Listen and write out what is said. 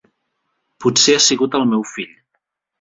Potser ha sigut el meu fill.